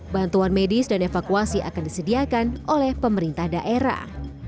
bantuan medis dan evakuasi akan disediakan oleh pemerintah daerah